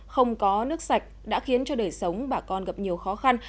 không có nước sạch đã khiến cho đời sống bà con gặp nhiều khó khăn